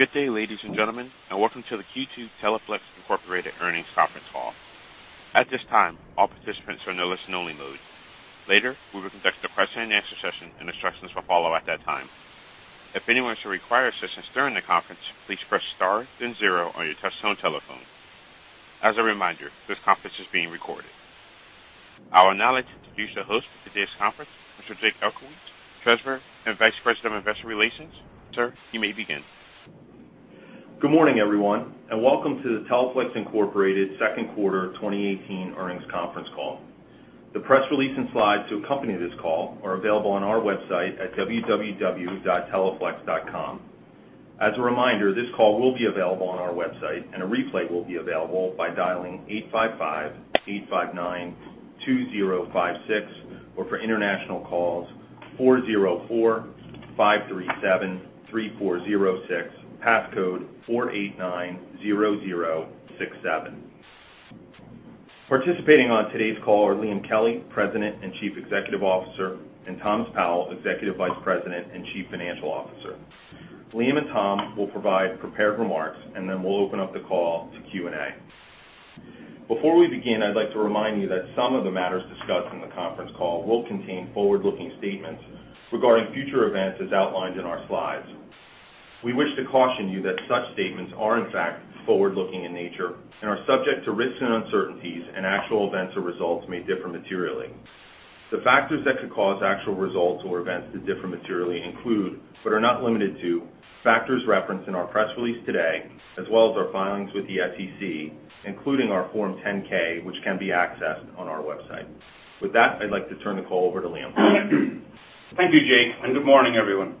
Good day, ladies and gentlemen, and welcome to the Q2 Teleflex Incorporated earnings conference call. At this time, all participants are in listen only mode. Later, we will conduct a question and answer session, and instructions will follow at that time. If anyone should require assistance during the conference, please press star then zero on your touchtone telephone. As a reminder, this conference is being recorded. I would now like to introduce the host for today's conference, Mr. Jake Elguicze, Treasurer and Vice President of Investor Relations. Sir, you may begin. Good morning, everyone, and welcome to the Teleflex Incorporated Second Quarter 2018 earnings conference call. The press release and slides to accompany this call are available on our website at teleflex.com. As a reminder, this call will be available on our website, and a replay will be available by dialing 855-859-2056, or for international calls, 404-537-3406, passcode 4890067. Participating on today's call are Liam Kelly, President and Chief Executive Officer, and Thomas Powell, Executive Vice President and Chief Financial Officer. Liam and Tom will provide prepared remarks, and then we'll open up the call to Q&A. Before we begin, I'd like to remind you that some of the matters discussed in the conference call will contain forward-looking statements regarding future events as outlined in our slides. We wish to caution you that such statements are in fact forward-looking in nature and are subject to risks and uncertainties, and actual events or results may differ materially. The factors that could cause actual results or events to differ materially include, but are not limited to, factors referenced in our press release today, as well as our filings with the SEC, including our Form 10-K, which can be accessed on our website. With that, I'd like to turn the call over to Liam. Thank you, Jake, and good morning, everyone.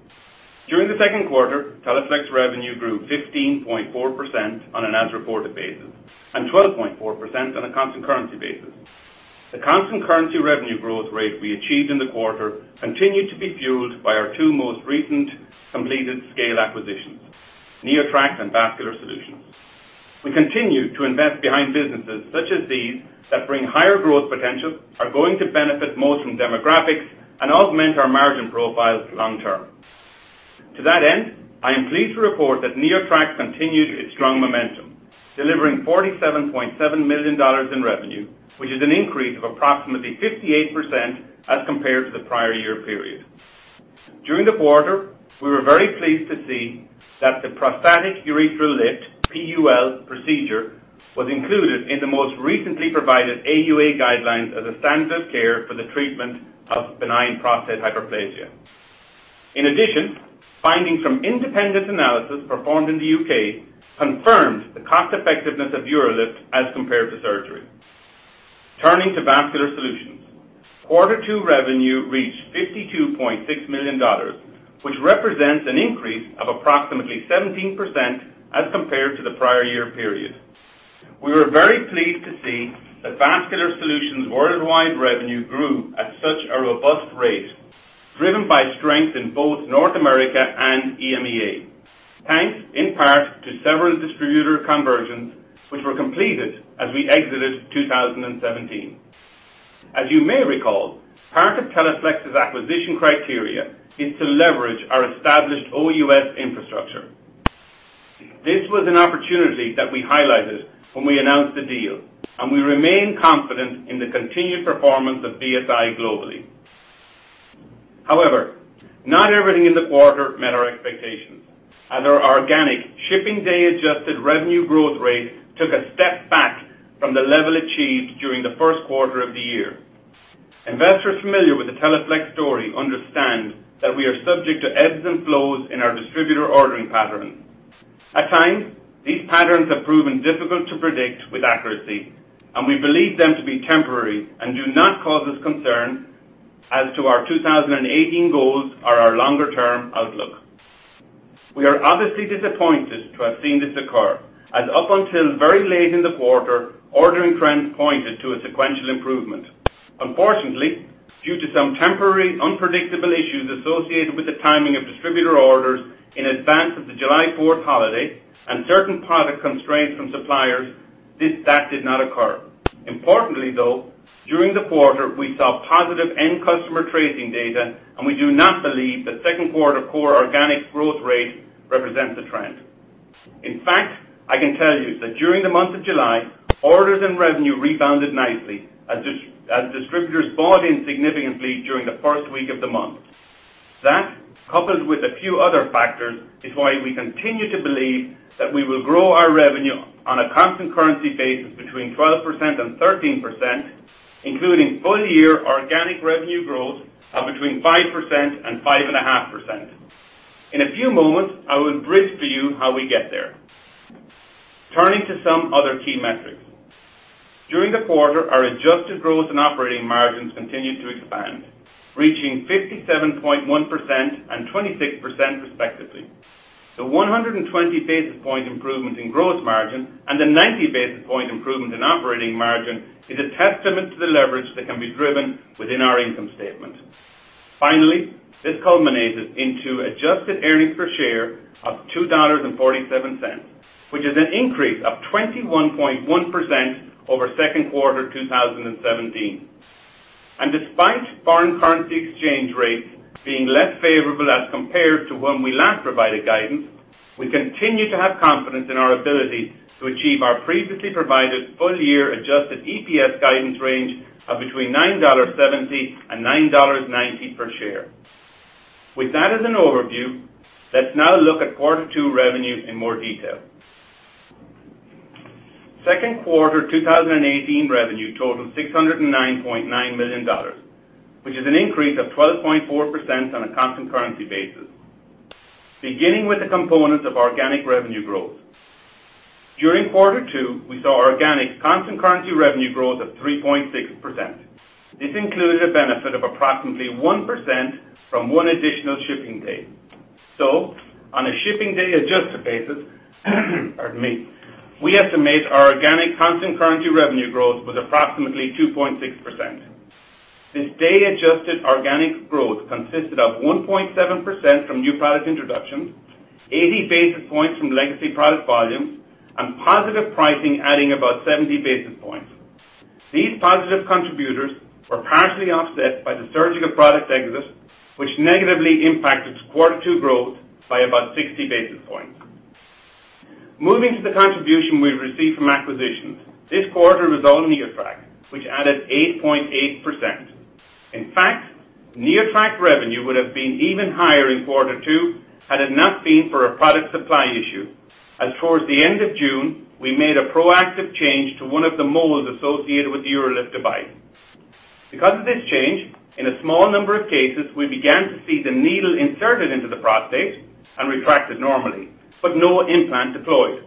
During the second quarter, Teleflex revenue grew 15.4% on an as-reported basis and 12.4% on a constant currency basis. The constant currency revenue growth rate we achieved in the quarter continued to be fueled by our two most recent completed scale acquisitions, NeoTract and Vascular Solutions. We continue to invest behind businesses such as these that bring higher growth potential, are going to benefit most from demographics, and augment our margin profiles long term. To that end, I am pleased to report that NeoTract continues its strong momentum, delivering $47.7 million in revenue, which is an increase of approximately 58% as compared to the prior year period. During the quarter, we were very pleased to see that the Prostatic Urethral Lift, PUL procedure, was included in the most recently provided AUA guidelines as a standard of care for the treatment of benign prostatic hyperplasia. In addition, findings from independent analysis performed in the U.K. confirmed the cost effectiveness of UroLift as compared to surgery. Turning to Vascular Solutions. Quarter 2 revenue reached $52.6 million, which represents an increase of approximately 17% as compared to the prior year period. We were very pleased to see that Vascular Solutions' worldwide revenue grew at such a robust rate, driven by strength in both North America and EMEA, thanks in part to several distributor conversions which were completed as we exited 2017. As you may recall, part of Teleflex's acquisition criteria is to leverage our established OUS infrastructure. This was an opportunity that we highlighted when we announced the deal, and we remain confident in the continued performance of VSI globally. Not everything in the quarter met our expectations, and our organic shipping day-adjusted revenue growth rate took a step back from the level achieved during the first quarter of the year. Investors familiar with the Teleflex story understand that we are subject to ebbs and flows in our distributor ordering patterns. At times, these patterns have proven difficult to predict with accuracy, and we believe them to be temporary and do not cause us concern as to our 2018 goals or our longer-term outlook. We are obviously disappointed to have seen this occur, as up until very late in the quarter, ordering trends pointed to a sequential improvement. Due to some temporary unpredictable issues associated with the timing of distributor orders in advance of the July 4th holiday and certain product constraints from suppliers, that did not occur. Importantly, though, during the quarter, we saw positive end customer tracing data, and we do not believe that second quarter core organic growth rate represents a trend. In fact, I can tell you that during the month of July, orders and revenue rebounded nicely as distributors bought in significantly during the first week of the month. That, coupled with a few other factors, is why we continue to believe that we will grow our revenue on a constant currency basis between 12% and 13%, including full-year organic revenue growth of between 5% and 5.5%. In a few moments, I will bridge for you how we get there. Turning to some other key metrics. During the quarter, our adjusted growth and operating margins continued to expand, reaching 57.1% and 26% respectively. The 120 basis point improvement in gross margin and the 90 basis point improvement in operating margin is a testament to the leverage that can be driven within our income statement. This culminated into adjusted earnings per share of $2.47, which is an increase of 21.1% over second quarter 2017. Despite foreign currency exchange rates being less favorable as compared to when we last provided guidance, we continue to have confidence in our ability to achieve our previously provided full-year adjusted EPS guidance range of between $9.70 and $9.90 per share. With that as an overview, let's now look at Quarter 2 revenue in more detail. Second quarter 2018 revenue totaled $609.9 million, which is an increase of 12.4% on a constant currency basis. Beginning with the components of organic revenue growth. During quarter two, we saw organic constant currency revenue growth of 3.6%. This included a benefit of approximately 1% from one additional shipping day. On a shipping day adjusted basis, pardon me, we estimate our organic constant currency revenue growth was approximately 2.6%. This day adjusted organic growth consisted of 1.7% from new product introductions, 80 basis points from legacy product volumes, and positive pricing adding about 70 basis points. These positive contributors were partially offset by the surgical product exit, which negatively impacted quarter two growth by about 60 basis points. Moving to the contribution we received from acquisitions. This quarter was all NeoTract, which added 8.8%. In fact, NeoTract revenue would have been even higher in quarter two had it not been for a product supply issue, as towards the end of June, we made a proactive change to one of the molds associated with the UroLift device. Because of this change, in a small number of cases, we began to see the needle inserted into the prostate and retracted normally, but no implant deployed.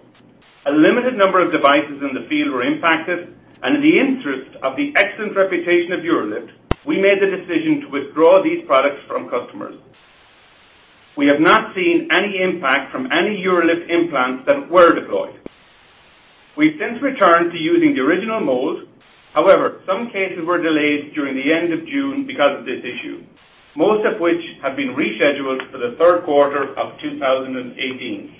A limited number of devices in the field were impacted, and in the interest of the excellent reputation of UroLift, we made the decision to withdraw these products from customers. We have not seen any impact from any UroLift implants that were deployed. We've since returned to using the original mold. However, some cases were delayed during the end of June because of this issue, most of which have been rescheduled for the third quarter of 2018.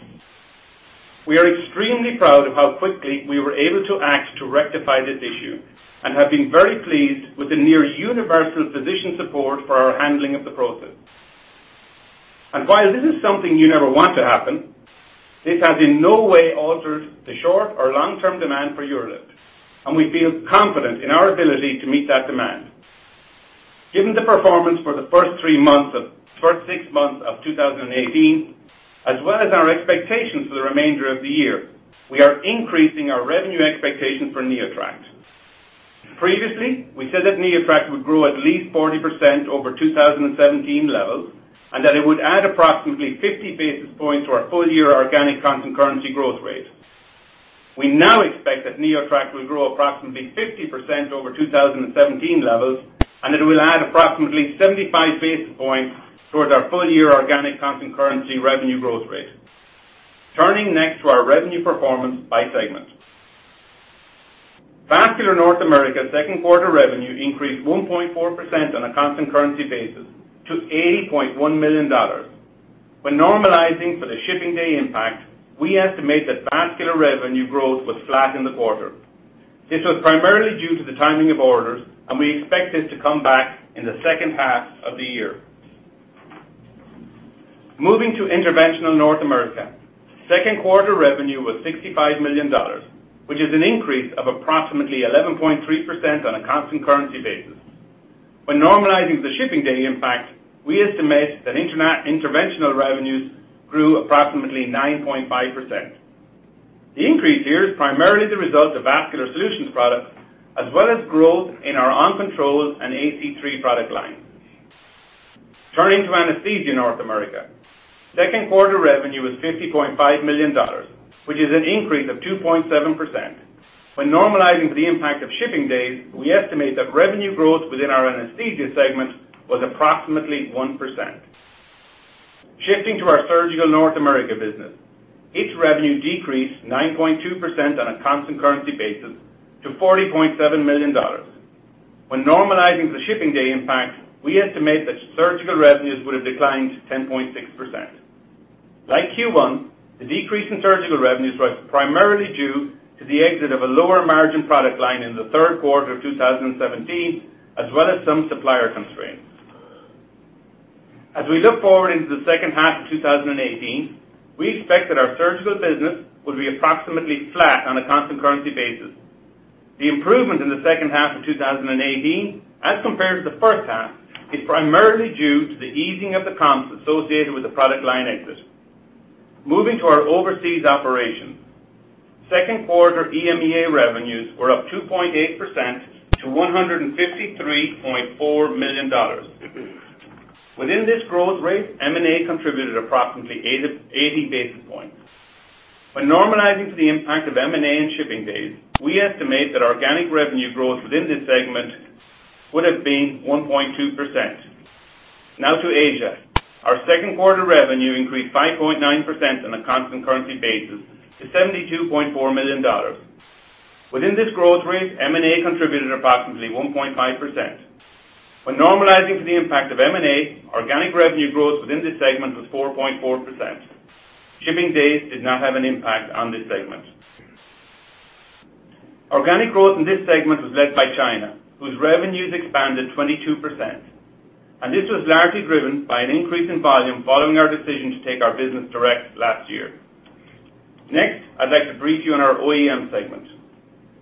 We are extremely proud of how quickly we were able to act to rectify this issue and have been very pleased with the near universal physician support for our handling of the process. While this is something you never want to happen, this has in no way altered the short or long-term demand for UroLift, and we feel confident in our ability to meet that demand. Given the performance for the first six months of 2018, as well as our expectations for the remainder of the year, we are increasing our revenue expectations for NeoTract. Previously, we said that NeoTract would grow at least 40% over 2017 levels, and that it would add approximately 50 basis points to our full-year organic constant currency growth rate. We now expect that NeoTract will grow approximately 50% over 2017 levels and it will add approximately 75 basis points towards our full-year organic constant currency revenue growth rate. Turning next to our revenue performance by segment. Vascular North America second quarter revenue increased 1.4% on a constant currency basis to $80.1 million. When normalizing for the shipping day impact, we estimate that vascular revenue growth was flat in the quarter. This was primarily due to the timing of orders, and we expect this to come back in the second half of the year. Moving to Interventional North America. Second quarter revenue was $65 million, which is an increase of approximately 11.3% on a constant currency basis. When normalizing for the shipping day impact, we estimate that interventional revenues grew approximately 9.5%. The increase here is primarily the result of Vascular Solutions products, as well as growth in our OnControl and AC3 product line. Turning to Anesthesia North America. Second quarter revenue was $50.5 million, which is an increase of 2.7%. When normalizing for the impact of shipping days, we estimate that revenue growth within our Anesthesia segment was approximately 1%. Shifting to our Surgical North America business. Its revenue decreased 9.2% on a constant currency basis to $40.7 million. When normalizing for the shipping day impact, we estimate that Surgical revenues would have declined to 10.6%. Like Q1, the decrease in Surgical revenues was primarily due to the exit of a lower margin product line in the third quarter of 2017, as well as some supplier constraints. As we look forward into the second half of 2018, we expect that our Surgical business will be approximately flat on a constant currency basis. The improvement in the second half of 2018 as compared to the first half is primarily due to the easing of the comps associated with the product line exit. Moving to our overseas operations. Second quarter EMEA revenues were up 2.8% to $153.4 million. Within this growth rate, M&A contributed approximately 80 basis points. When normalizing for the impact of M&A and shipping days, we estimate that organic revenue growth within this segment would have been 1.2%. Now to Asia. Our second quarter revenue increased 5.9% on a constant currency basis to $72.4 million. Within this growth rate, M&A contributed approximately 1.5%. When normalizing for the impact of M&A, organic revenue growth within this segment was 4.4%. Shipping days did not have an impact on this segment. Organic growth in this segment was led by China, whose revenues expanded 22%. This was largely driven by an increase in volume following our decision to take our business direct last year. Next, I'd like to brief you on our OEM segment.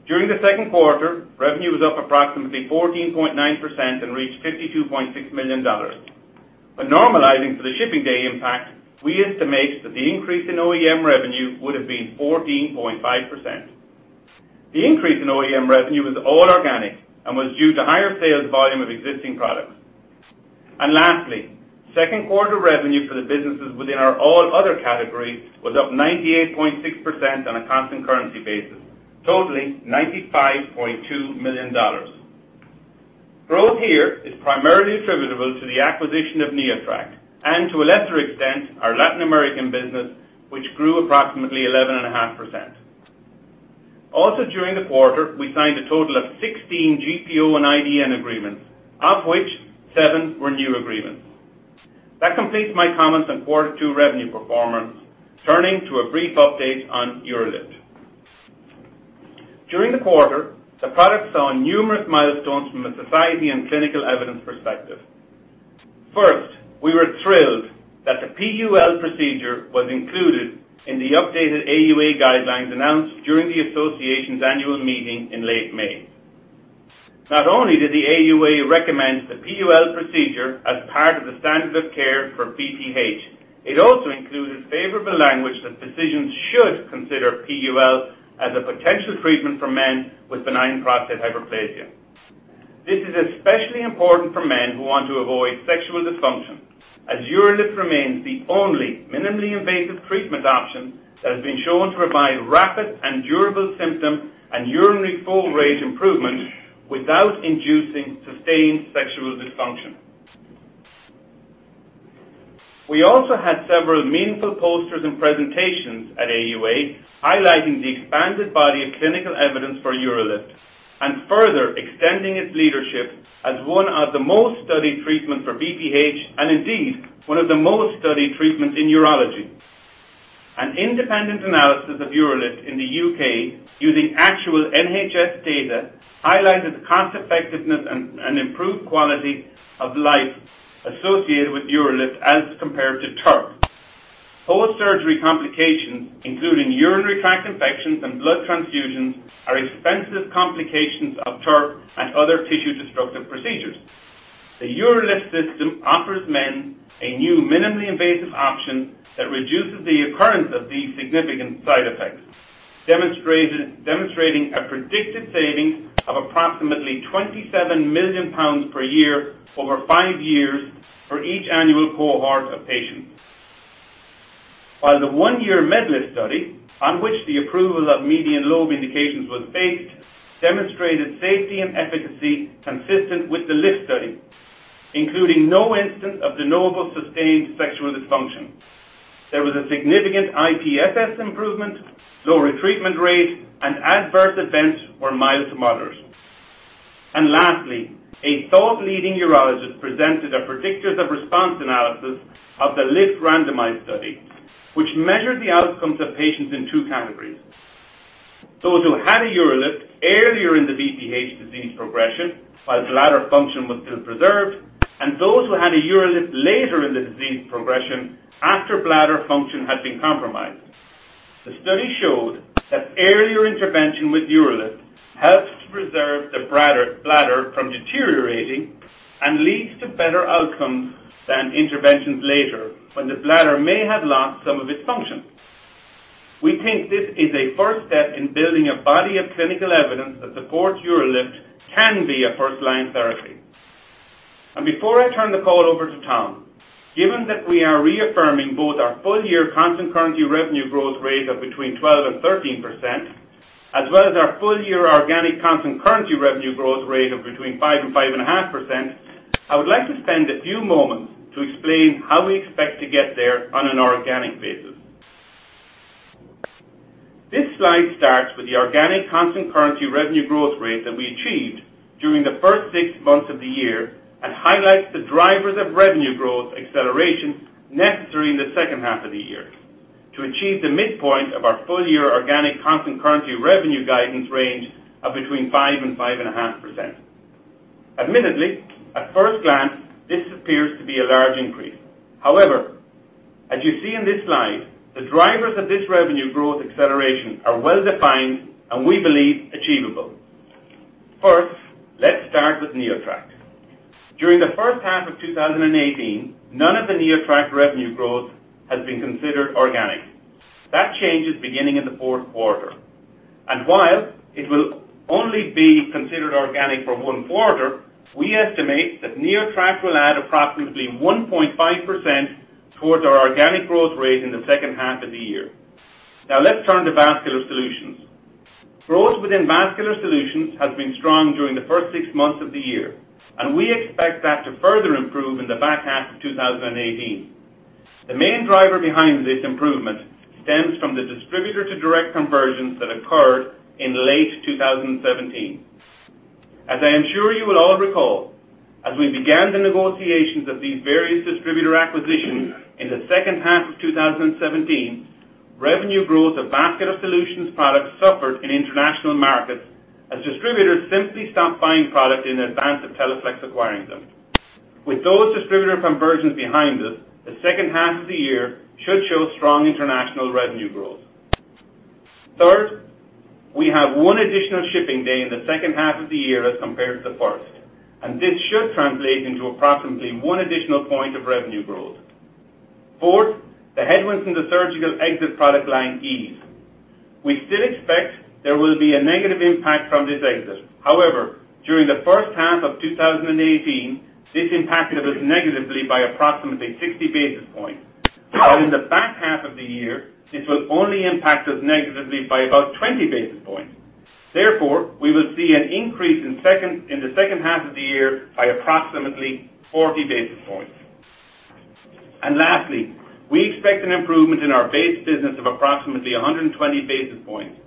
During the second quarter, revenue was up approximately 14.9% and reached $52.6 million. When normalizing for the shipping day impact, we estimate that the increase in OEM revenue would've been 14.5%. The increase in OEM revenue was all organic and was due to higher sales volume of existing products. Lastly, second quarter revenue for the businesses within our All Other category was up 98.6% on a constant currency basis, totaling $95.2 million. Growth here is primarily attributable to the acquisition of NeoTract and to a lesser extent, our Latin American business, which grew approximately 11.5%. Also during the quarter, we signed a total of 16 GPO and IDN agreements, of which seven were new agreements. That completes my comments on quarter two revenue performance. Turning to a brief update on UroLift. During the quarter, the product saw numerous milestones from a society and clinical evidence perspective. First, we were thrilled that the PUL procedure was included in the updated AUA guidelines announced during the association's annual meeting in late May. Not only did the AUA recommend the PUL procedure as part of the standard of care for BPH, it also included favorable language that physicians should consider PUL as a potential treatment for men with benign prostatic hyperplasia. This is especially important for men who want to avoid sexual dysfunction, as UroLift remains the only minimally invasive treatment option that has been shown to provide rapid and durable symptom and urinary full range improvement without inducing sustained sexual dysfunction. We also had several meaningful posters and presentations at AUA, highlighting the expanded body of clinical evidence for UroLift and further extending its leadership as one of the most studied treatments for BPH and indeed, one of the most studied treatments in urology. An independent analysis of UroLift in the U.K. using actual NHS data highlighted the cost-effectiveness and improved quality of life associated with UroLift as compared to TURP. Post-surgery complications, including urinary tract infections and blood transfusions, are expensive complications of TURP and other tissue-destructive procedures. The UroLift system offers men a new minimally invasive option that reduces the occurrence of these significant side effects, demonstrating a predicted saving of approximately 27 million pounds per year over five years for each annual cohort of patients. While the one-year MedLift study, on which the approval of median lobe indications was based, demonstrated safety and efficacy consistent with the UroLift study, including no instance of de novo sustained sexual dysfunction. There was a significant IPSS improvement, lower treatment rate, and adverse events were mild to moderate. Lastly, a thought leading urologist presented a predictors of response analysis of the UroLift randomized study, which measured the outcomes of patients in 2 categories. Those who had a UroLift earlier in the BPH disease progression while bladder function was still preserved, and those who had a UroLift later in the disease progression after bladder function had been compromised. The study showed that earlier intervention with UroLift helps to preserve the bladder from deteriorating and leads to better outcomes than interventions later when the bladder may have lost some of its function. We think this is a first step in building a body of clinical evidence that supports UroLift can be a first-line therapy. Before I turn the call over to Thomas Powell, given that we are reaffirming both our full-year constant currency revenue growth rate of between 12% and 13%, as well as our full-year organic constant currency revenue growth rate of between 5% and 5.5%, I would like to spend a few moments to explain how we expect to get there on an organic basis. This slide starts with the organic constant currency revenue growth rate that we achieved during the first six months of the year and highlights the drivers of revenue growth acceleration necessary in the second half of the year to achieve the midpoint of our full-year organic constant currency revenue guidance range of between 5% and 5.5%. Admittedly, at first glance, this appears to be a large increase. However, as you see in this slide, the drivers of this revenue growth acceleration are well-defined and we believe achievable. First, let's start with NeoTract. During the first half of 2018, none of the NeoTract revenue growth has been considered organic. That changes beginning in the fourth quarter. While it will only be considered organic for one quarter, we estimate that NeoTract will add approximately 1.5% towards our organic growth rate in the second half of the year. Now let's turn to Vascular Solutions. Growth within Vascular Solutions has been strong during the first six months of the year, and we expect that to further improve in the back half of 2018. The main driver behind this improvement stems from the distributor-to-direct conversions that occurred in late 2017. As I am sure you will all recall, as we began the negotiations of these various distributor acquisitions in the second half of 2017, revenue growth of Vascular Solutions products suffered in international markets as distributors simply stopped buying product in advance of Teleflex acquiring them. With those distributor conversions behind us, the second half of the year should show strong international revenue growth. Third, we have one additional shipping day in the second half of the year as compared to the first, this should translate into approximately one additional point of revenue growth. Fourth, the headwinds in the surgical exit product line ease. We still expect there will be a negative impact from this exit. However, during the first half of 2018, this impacted us negatively by approximately 60 basis points, but in the back half of the year, it will only impact us negatively by about 20 basis points. Therefore, we will see an increase in the second half of the year by approximately 40 basis points. Lastly, we expect an improvement in our base business of approximately 120 basis points.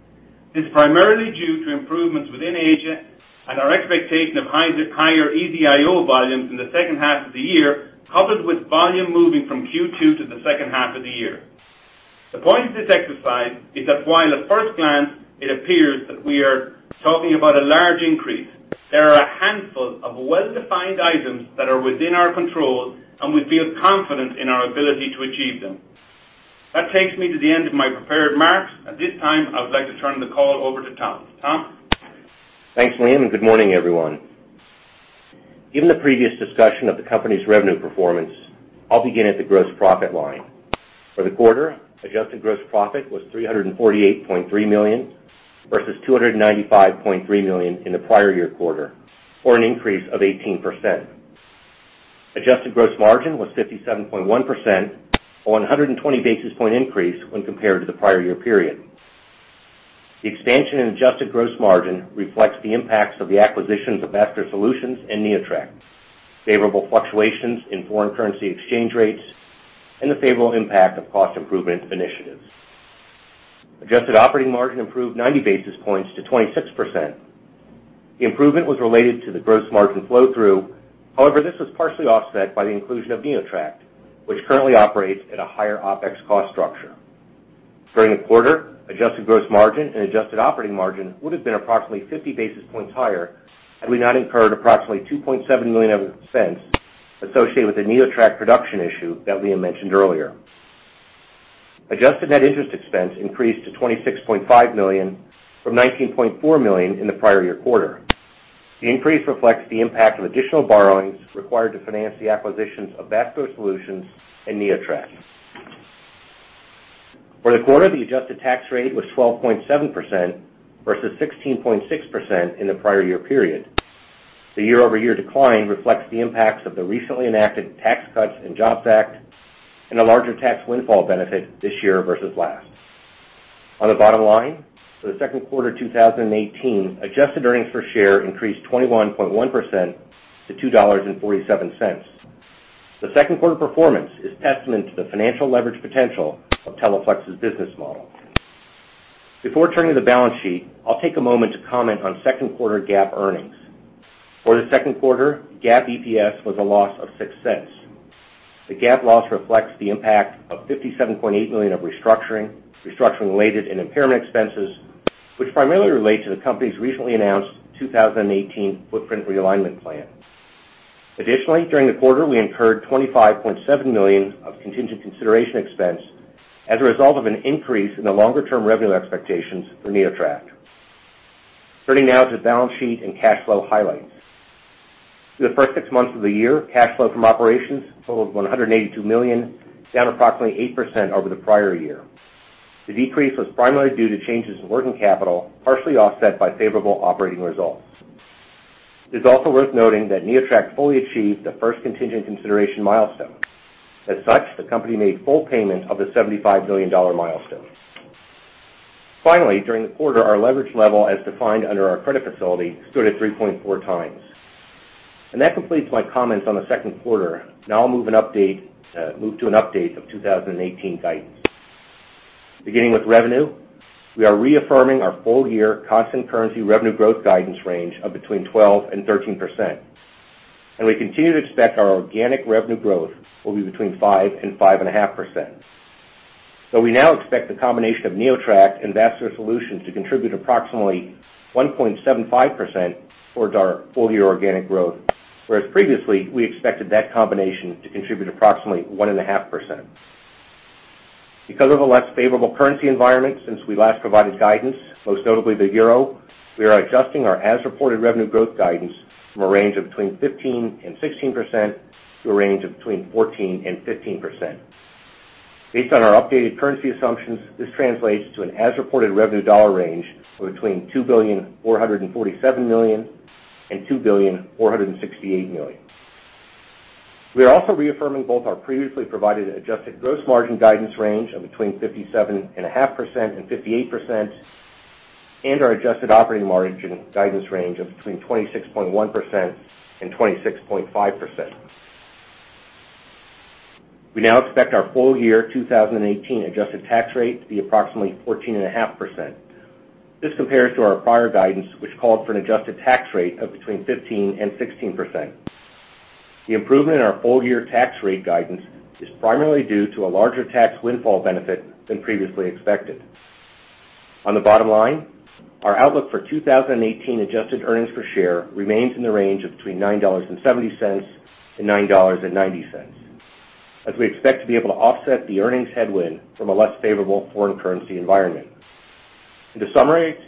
This is primarily due to improvements within Asia and our expectation of higher EZ-IO volumes in the second half of the year, coupled with volume moving from Q2 to the second half of the year. The point of this exercise is that while at first glance it appears that we are talking about a large increase, there are a handful of well-defined items that are within our control, and we feel confident in our ability to achieve them. That takes me to the end of my prepared remarks. At this time, I would like to turn the call over to Tom. Tom? Thanks, Liam. Good morning, everyone. Given the previous discussion of the company's revenue performance, I'll begin at the gross profit line. For the quarter, adjusted gross profit was $348.3 million, versus $295.3 million in the prior year quarter, or an increase of 18%. Adjusted gross margin was 57.1%, a 120 basis point increase when compared to the prior year period. The expansion in adjusted gross margin reflects the impacts of the acquisitions of Vascular Solutions and NeoTract, favorable fluctuations in foreign currency exchange rates, and the favorable impact of cost improvement initiatives. Adjusted operating margin improved 90 basis points to 26%. The improvement was related to the gross margin flow-through. However, this was partially offset by the inclusion of NeoTract, which currently operates at a higher OpEx cost structure. During the quarter, adjusted gross margin and adjusted operating margin would have been approximately 50 basis points higher had we not incurred approximately $2.7 million associated with the NeoTract production issue that Liam mentioned earlier. Adjusted net interest expense increased to $26.5 million from $19.4 million in the prior year quarter. The increase reflects the impact of additional borrowings required to finance the acquisitions of Vascular Solutions and NeoTract. For the quarter, the adjusted tax rate was 12.7%, versus 16.6% in the prior year period. The year-over-year decline reflects the impacts of the recently enacted Tax Cuts and Jobs Act and a larger tax windfall benefit this year versus last. On the bottom line, for the second quarter 2018, adjusted earnings per share increased 21.1% to $2.47. The second quarter performance is testament to the financial leverage potential of Teleflex's business model. Before turning to the balance sheet, I'll take a moment to comment on second quarter GAAP earnings. For the second quarter, GAAP EPS was a loss of $0.06. The GAAP loss reflects the impact of $57.8 million of restructuring-related and impairment expenses, which primarily relate to the company's recently announced 2018 footprint realignment plan. Additionally, during the quarter, we incurred $25.7 million of contingent consideration expense as a result of an increase in the longer-term revenue expectations for NeoTract. Turning now to the balance sheet and cash flow highlights. For the first six months of the year, cash flow from operations totaled $182 million, down approximately 8% over the prior year. The decrease was primarily due to changes in working capital, partially offset by favorable operating results. It's also worth noting that NeoTract fully achieved the first contingent consideration milestone. As such, the company made full payment of the $75 million milestone. Finally, during the quarter, our leverage level as defined under our credit facility stood at 3.4 times. That completes my comments on the second quarter. I'll move to an update of 2018 guidance. Beginning with revenue, we are reaffirming our full-year constant currency revenue growth guidance range of between 12%-13%, and we continue to expect our organic revenue growth will be between 5%-5.5%. We now expect the combination of NeoTract and Vascular Solutions to contribute approximately 1.75% towards our full-year organic growth. Whereas previously, we expected that combination to contribute approximately 1.5%. Because of a less favorable currency environment since we last provided guidance, most notably the euro, we are adjusting our as-reported revenue growth guidance from a range of between 15%-16% to a range of between 14%-15%. Based on our updated currency assumptions, this translates to an as-reported revenue dollar range of between $2.447 billion-$2.468 billion. We are also reaffirming both our previously provided adjusted gross margin guidance range of between 57.5%-58%, and our adjusted operating margin guidance range of between 26.1%-26.5%. We now expect our full-year 2018 adjusted tax rate to be approximately 14.5%. This compares to our prior guidance, which called for an adjusted tax rate of between 15%-16%. The improvement in our full-year tax rate guidance is primarily due to a larger tax windfall benefit than previously expected. On the bottom line, our outlook for 2018 adjusted earnings per share remains in the range of between $9.70 to $9.90, as we expect to be able to offset the earnings headwind from a less favorable foreign currency environment. To summarize,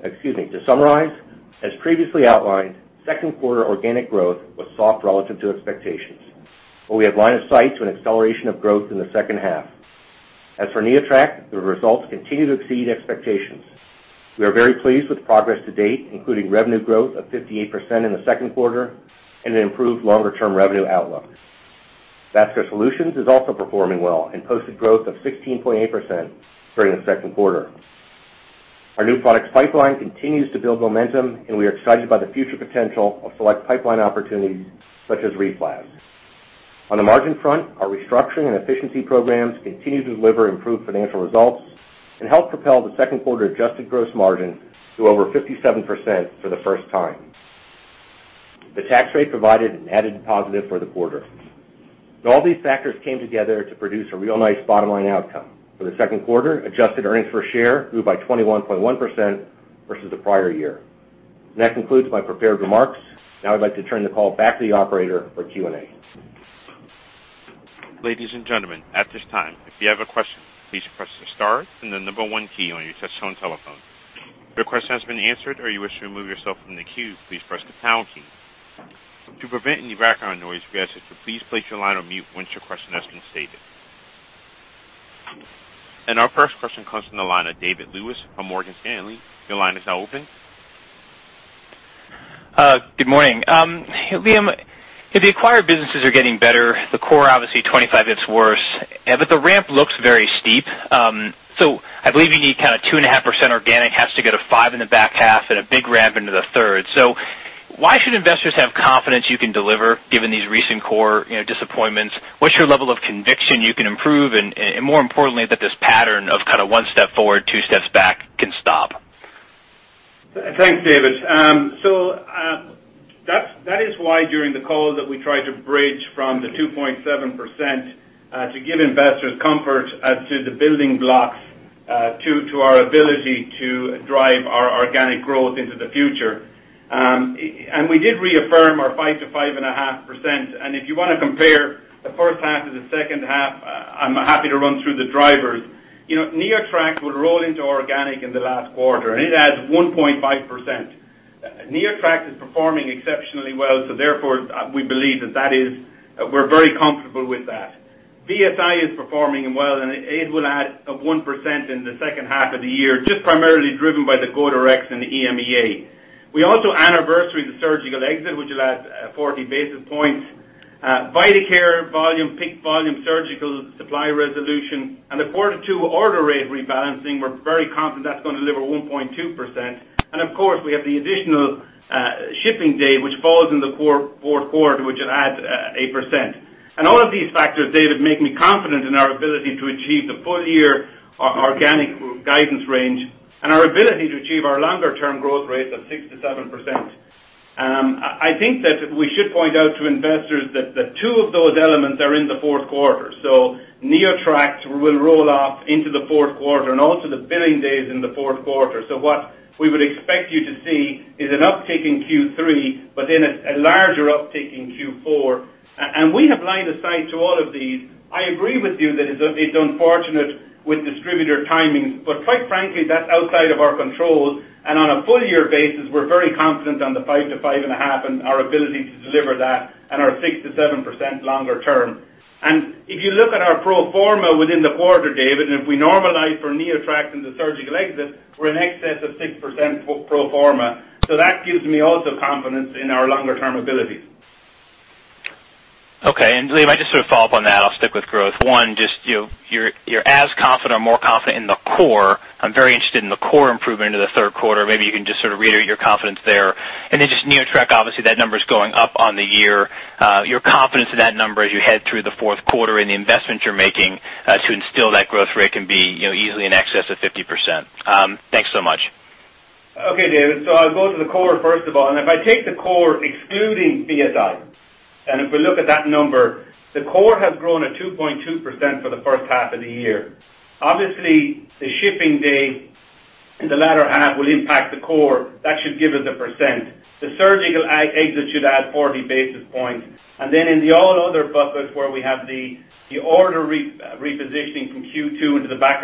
as previously outlined, second quarter organic growth was soft relative to expectations, but we have line of sight to an acceleration of growth in the second half. As for NeoTract, the results continue to exceed expectations. We are very pleased with progress to date, including revenue growth of 58% in the second quarter and an improved longer-term revenue outlook. Vascular Solutions is also performing well and posted growth of 16.8% during the second quarter. Our new products pipeline continues to build momentum, and we are excited by the future potential of select pipeline opportunities, such as ReFlex. On the margin front, our restructuring and efficiency programs continue to deliver improved financial results and help propel the second quarter adjusted gross margin to over 57% for the first time. The tax rate provided an added positive for the quarter. All these factors came together to produce a real nice bottom-line outcome. For the second quarter, adjusted earnings per share grew by 21.1% versus the prior year. That concludes my prepared remarks. I'd like to turn the call back to the operator for Q&A. Ladies and gentlemen, at this time, if you have a question, please press the star and the 1 key on your touchtone telephone. If your question has been answered or you wish to remove yourself from the queue, please press the pound key. To prevent any background noise, we ask that you please place your line on mute once your question has been stated. Our first question comes from the line of David Lewis from Morgan Stanley. Your line is now open. Good morning. Liam, if the acquired businesses are getting better, the core, obviously 25, it's worse, but the ramp looks very steep. I believe you need kind of 2.5% organic, has to go to 5% in the back half and a big ramp into the third. Why should investors have confidence you can deliver, given these recent core disappointments? What's your level of conviction you can improve, and more importantly, that this pattern of kind of one step forward, two steps back can stop? Thanks, David. That is why during the call that we tried to bridge from the 2.7% to give investors comfort as to the building blocks to our ability to drive our organic growth into the future. We did reaffirm our 5%-5.5%. If you want to compare the first half to the second half, I'm happy to run through the drivers. NeoTract would roll into organic in the last quarter, and it adds 1.5%. NeoTract is performing exceptionally well, therefore, we believe that we're very comfortable with that. VSI is performing well, and it will add 1% in the second half of the year, just primarily driven by the Coderex and the EMEA. We also anniversary the surgical exit, which will add 40 basis points. Vidacare volume, PICC volume, surgical supply resolution, and the quarter two order rate rebalancing, we're very confident that's going to deliver 1.2%. Of course, we have the additional shipping day, which falls in the fourth quarter, which will add 8%. All of these factors, David, make me confident in our ability to achieve the full-year organic growth guidance range and our ability to achieve our longer-term growth rates of 6%-7%. I think that we should point out to investors that two of those elements are in the fourth quarter. NeoTract will roll off into the fourth quarter, and also the billing day is in the fourth quarter. What we would expect you to see is an uptick in Q3, but then a larger uptick in Q4. We have line of sight to all of these. I agree with you that it's unfortunate with distributor timings, quite frankly, that's outside of our control. On a full-year basis, we're very confident on the 5%-5.5% and our ability to deliver that and our 6%-7% longer term. If you look at our pro forma within the quarter, David, and if we normalize for NeoTract and the surgical exit, we're in excess of 6% pro forma. That gives me also confidence in our longer-term ability. Okay. Liam, I just sort of follow up on that. I'll stick with growth. One, just you're as confident or more confident in the core. I'm very interested in the core improvement into the third quarter. Maybe you can just sort of reiterate your confidence there. Then just NeoTract, obviously, that number's going up on the year. Your confidence in that number as you head through the fourth quarter and the investment you're making to instill that growth rate can be easily in excess of 50%. Thanks so much. Okay, David. I'll go to the core, first of all. If I take the core excluding VSI, and if we look at that number, the core has grown at 2.2% for the first half of the year. Obviously, the shipping day in the latter half will impact the core. That should give us a percent. The surgical exit should add 40 basis points. In the all other buckets where we have the order repositioning from Q2 into the back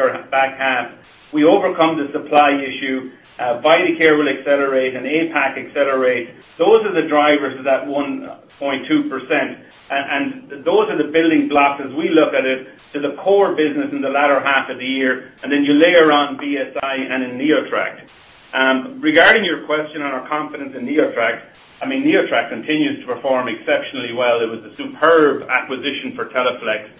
half, we overcome the supply issue. Vidacare will accelerate and APAC accelerate. Those are the drivers of that 1.2%, and those are the building blocks as we look at it to the core business in the latter half of the year, and then you layer on VSI and in NeoTract. Regarding your question on our confidence in NeoTract, I mean, NeoTract continues to perform exceptionally well. It was a superb acquisition for Teleflex.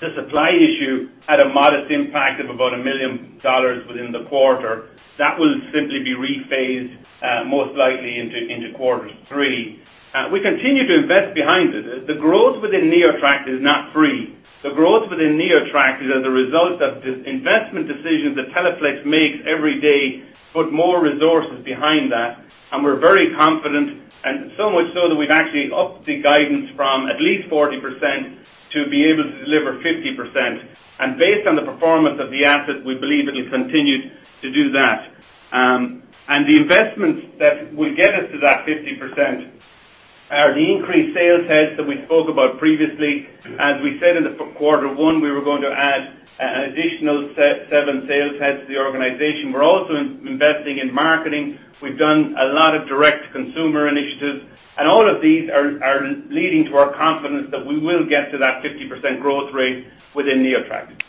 The supply issue had a modest impact of about $1 million within the quarter. That will simply be rephased, most likely into quarter three. We continue to invest behind it. The growth within NeoTract is not free. The growth within NeoTract is as a result of the investment decisions that Teleflex makes every day, put more resources behind that, and we're very confident, and so much so that we've actually upped the guidance from at least 40% to be able to deliver 50%. Based on the performance of the asset, we believe it'll continue to do that. The investments that will get us to that 50% are the increased sales heads that we spoke about previously. As we said in the quarter one, we were going to add an additional seven sales heads to the organization. We're also investing in marketing. We've done a lot of direct consumer initiatives. All of these are leading to our confidence that we will get to that 50% growth rate within NeoTract.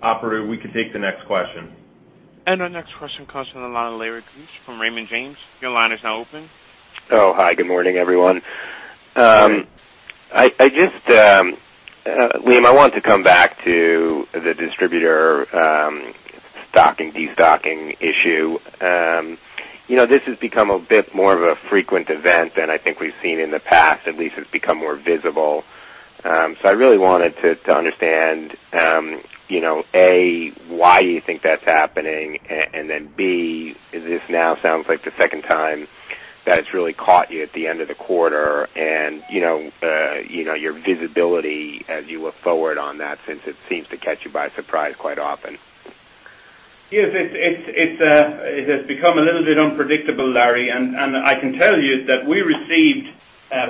Operator, we can take the next question. Our next question comes from the line of Larry Keusch from Raymond James. Your line is now open. Oh, hi. Good morning, everyone. Good morning. Liam, I want to come back to the distributor stocking, destocking issue. This has become a bit more of a frequent event than I think we've seen in the past. At least it's become more visible. I really wanted to understand, A, why you think that's happening. B, this now sounds like the second time that it's really caught you at the end of the quarter and your visibility as you look forward on that, since it seems to catch you by surprise quite often. Yes. It has become a little bit unpredictable, Larry. I can tell you that we received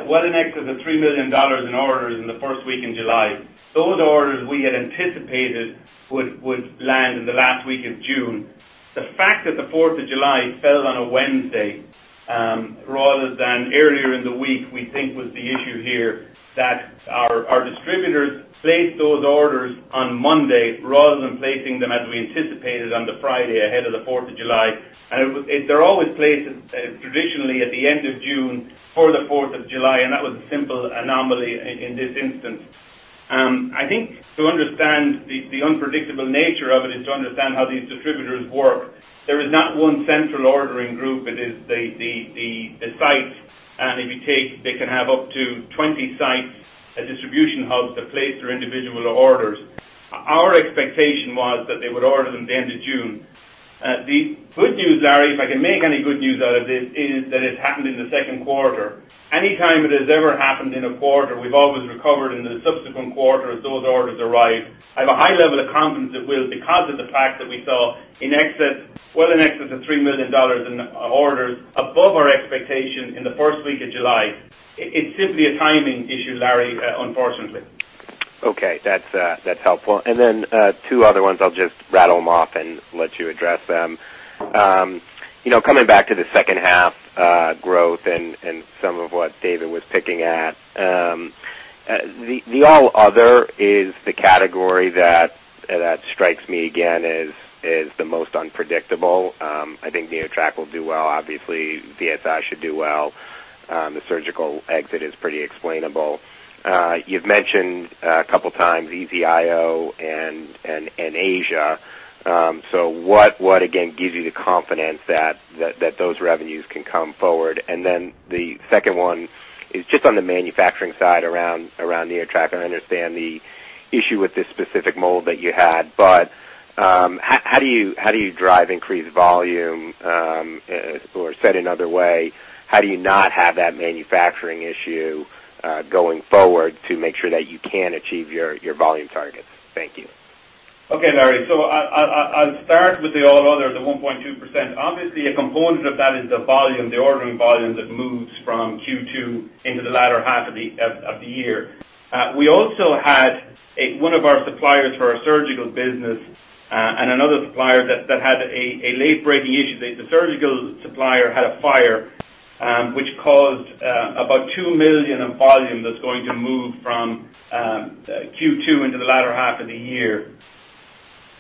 well in excess of $3 million in orders in the first week in July. Those orders we had anticipated would land in the last week of June. The fact that the Fourth of July fell on a Wednesday, rather than earlier in the week, we think was the issue here, that our distributors placed those orders on Monday rather than placing them as we anticipated on the Friday ahead of the Fourth of July. They're always placed traditionally at the end of June for the Fourth of July, and that was a simple anomaly in this instance. I think to understand the unpredictable nature of it is to understand how these distributors work. There is not one central ordering group. It is the site, and if you take, they can have up to 20 sites, a distribution hub to place their individual orders. Our expectation was that they would order them at the end of June. The good news, Larry, if I can make any good news out of this, is that it happened in the second quarter. Anytime it has ever happened in a quarter, we've always recovered in the subsequent quarter as those orders arrive. I have a high level of confidence it will, because of the fact that we saw well in excess of $3 million in orders above our expectation in the first week of July. It's simply a timing issue, Larry, unfortunately. Okay. That's helpful. Two other ones, I'll just rattle them off and let you address them. Coming back to the second half growth and some of what David was picking at. The all other is the category that strikes me again as the most unpredictable. I think NeoTract will do well. Obviously, VSI should do well. The surgical exit is pretty explainable. You've mentioned a couple of times EZ-IO and Asia. What again gives you the confidence that those revenues can come forward? The second one is just on the manufacturing side around NeoTract. I understand the issue with this specific mold that you had, but how do you drive increased volume? Or said another way, how do you not have that manufacturing issue going forward to make sure that you can achieve your volume targets? Thank you. Okay, Larry. I'll start with the all other, the 1.2%. Obviously, a component of that is the volume, the ordering volume that moves from Q2 into the latter half of the year. We also had one of our suppliers for our surgical business and another supplier that had a late-breaking issue. The surgical supplier had a fire, which caused about $2 million of volume that's going to move from Q2 into the latter half of the year.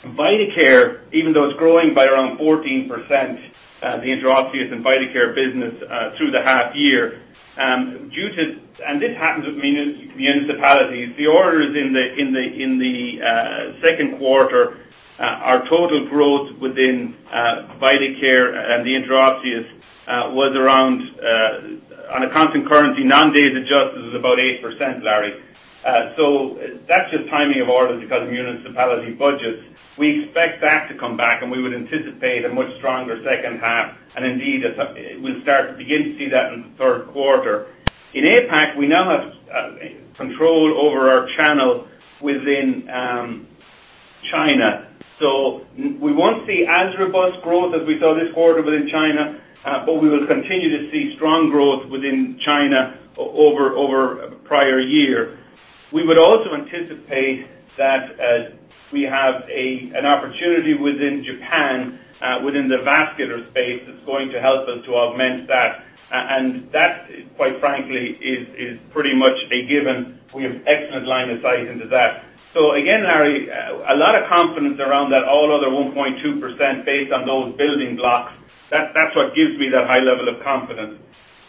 Vidacare, even though it's growing by around 14%, the intraosseous and Vidacare business, through the half year. This happens with municipalities. The orders in the second quarter, our total growth within Vidacare and the intraosseous was around, on a constant currency, non-GAAP adjusted, it was about 8%, Larry. That's just timing of orders because of municipality budgets. We expect that to come back, and we would anticipate a much stronger second half, indeed, we'll start to begin to see that in the third quarter. In APAC, we now have control over our channel within China. We won't see as robust growth as we saw this quarter within China, but we will continue to see strong growth within China over prior year. We would also anticipate that we have an opportunity within Japan, within the vascular space that's going to help us to augment that. That, quite frankly, is pretty much a given. We have excellent line of sight into that. Again, Larry, a lot of confidence around that all other 1.2% based on those building blocks. That's what gives me that high level of confidence.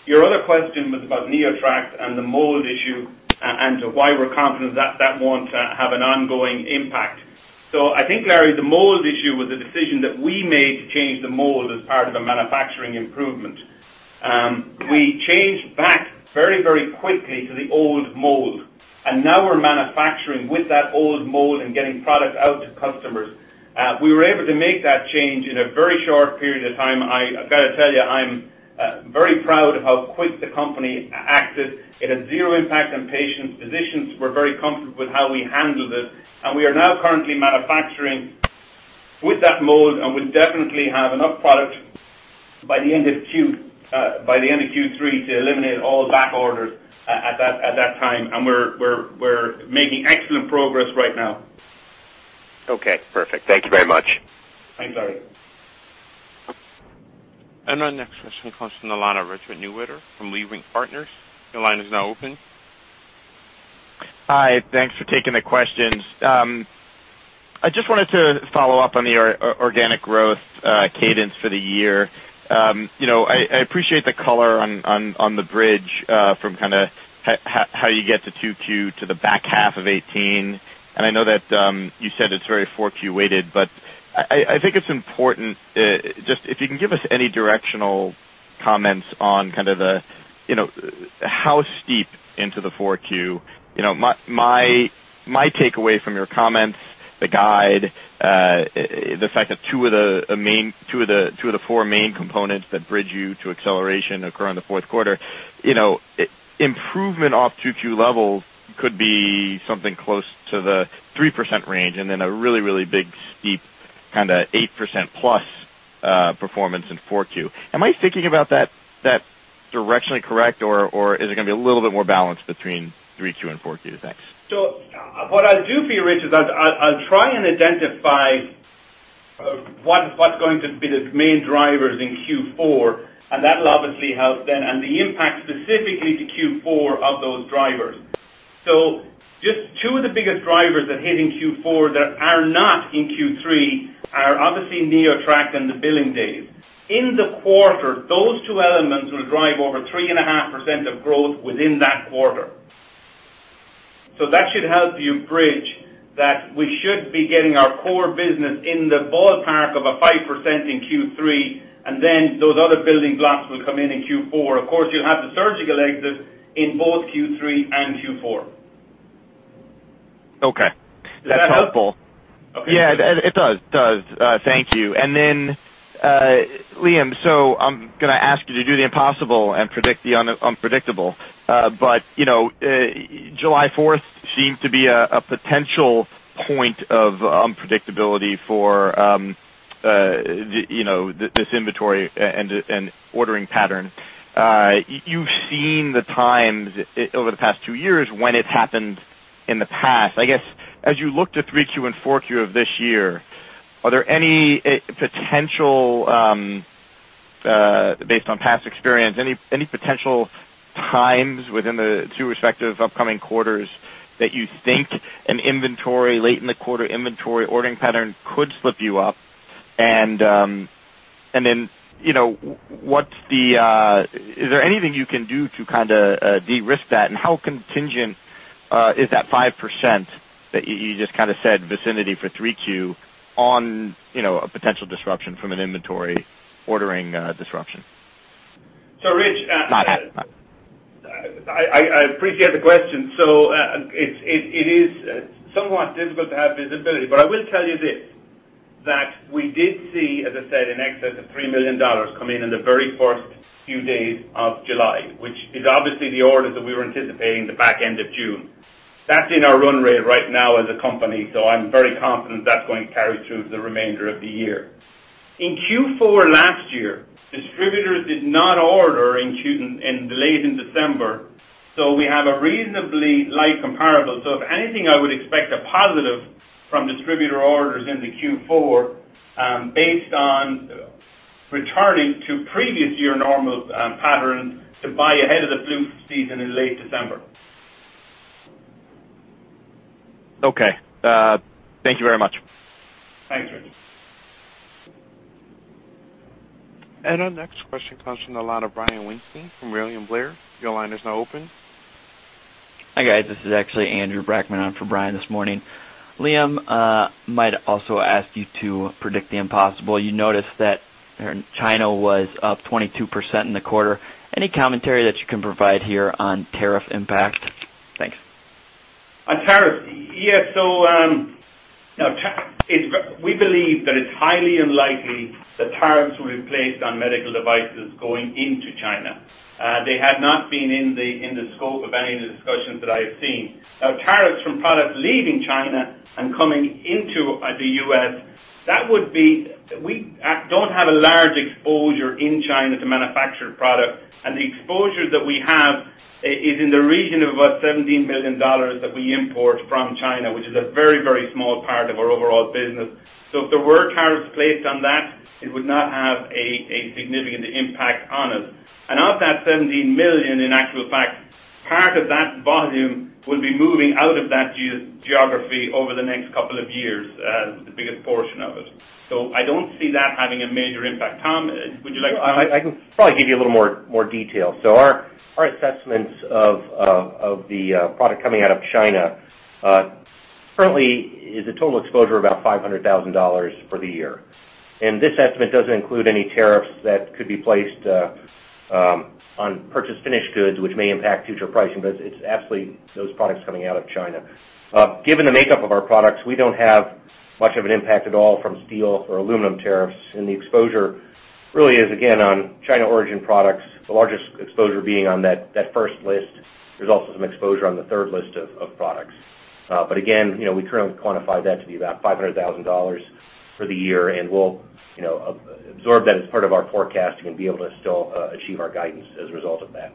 Your other question was about NeoTract and the mold issue, and why we're confident that won't have an ongoing impact. I think, Larry, the mold issue was a decision that we made to change the mold as part of a manufacturing improvement. We changed back very quickly to the old mold, and now we're manufacturing with that old mold and getting product out to customers. We were able to make that change in a very short period of time. I've got to tell you, I'm very proud of how quick the company acted. It had zero impact on patients. Physicians were very comfortable with how we handled it, and we are now currently manufacturing with that mold, and we definitely have enough product by the end of Q3 to eliminate all back orders at that time. We're making excellent progress right now. Okay, perfect. Thank you very much. Thanks, Larry. Our next question comes from the line of Richard Newitter from Leerink Partners. Your line is now open. Hi, thanks for taking the questions. I just wanted to follow up on the organic growth cadence for the year. I appreciate the color on the bridge from how you get to 2Q to the back half of 2018, and I know that you said it's very 4Q-weighted, but I think it's important, if you can give us any directional comments on how steep into the 4Q. My takeaway from your comments, the guide, the fact that two of the four main components that bridge you to acceleration occur in the fourth quarter. Improvement off 2Q levels could be something close to the 3% range, and then a really big steep 8%+ performance in 4Q. Am I thinking about that directionally correct, or is it going to be a little bit more balanced between 3Q and 4Q? Thanks. What I'll do for you, Richard, is I'll try and identify what's going to be the main drivers in Q4, and that'll obviously help then, and the impact specifically to Q4 of those drivers. Just two of the biggest drivers that hit in Q4 that are not in Q3 are obviously NeoTract and the billing days. In the quarter, those two elements will drive over 3.5% of growth within that quarter. That should help you bridge that we should be getting our core business in the ballpark of a 5% in Q3, and then those other building blocks will come in in Q4. Of course, you'll have the surgical exits in both Q3 and Q4. Okay. Does that help? Liam, I'm going to ask you to do the impossible and predict the unpredictable. July 4th seemed to be a potential point of unpredictability for this inventory and ordering pattern. You've seen the times over the past two years when it's happened in the past. I guess, as you look to 3Q and 4Q of this year, are there any potential, based on past experience, any potential times within the two respective upcoming quarters that you think an inventory, late in the quarter inventory ordering pattern could slip you up? Is there anything you can do to de-risk that? How contingent is that 5% that you just said vicinity for 3Q on a potential disruption from an inventory ordering disruption? Rich- Not at- I appreciate the question. It is somewhat difficult to have visibility, I will tell you this, that we did see, as I said, in excess of $3 million come in in the very first few days of July, which is obviously the orders that we were anticipating the back end of June. That's in our run rate right now as a company, so I'm very confident that's going to carry through to the remainder of the year. In Q4 last year, distributors did not order late in December, we have a reasonably light comparable. If anything, I would expect a positive from distributor orders into Q4, based on returning to previous year normal patterns to buy ahead of the flu season in late December. Okay. Thank you very much. Thanks, Richard. Our next question comes from the line of Brian Weinstein from William Blair. Your line is now open. Hi, guys. This is actually Andrew Brackmann on for Brian this morning. Liam, might also ask you to predict the impossible. You noticed that China was up 22% in the quarter. Any commentary that you can provide here on tariff impact? Thanks. On tariff. Yeah, we believe that it's highly unlikely that tariffs will be placed on medical devices going into China. They have not been in the scope of any of the discussions that I have seen. Now, tariffs from products leaving China and coming into the U.S., we don't have a large exposure in China to manufactured product, and the exposure that we have is in the region of about $17 million that we import from China, which is a very, very small part of our overall business. If there were tariffs placed on that, it would not have a significant impact on us. Of that $17 million, in actual fact, part of that volume will be moving out of that geography over the next couple of years, the biggest portion of it. I don't see that having a major impact. Tom, would you like to comment? I can probably give you a little more detail. Our assessments of the product coming out of China currently is a total exposure of about $500,000 for the year. This estimate doesn't include any tariffs that could be placed on purchased finished goods, which may impact future pricing, but it's absolutely those products coming out of China. Given the makeup of our products, we don't have much of an impact at all from steel or aluminum tariffs. The exposure really is, again, on China origin products, the largest exposure being on that first list. There's also some exposure on the third list of products. Again, we currently quantify that to be about $500,000 for the year, and we'll absorb that as part of our forecasting and be able to still achieve our guidance as a result of that.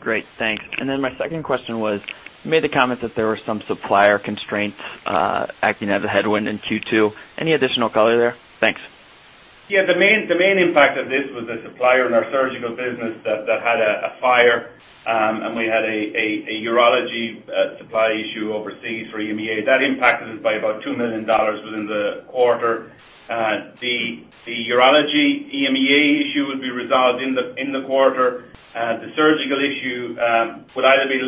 Great, thanks. My second question was, you made the comment that there were some supplier constraints acting as a headwind in Q2. Any additional color there? Thanks. Yeah, the main impact of this was a supplier in our surgical business that had a fire, and we had a urology supply issue overseas for EMEA. That impacted us by about $2 million within the quarter. The urology EMEA issue will be resolved in the quarter. The surgical issue will either be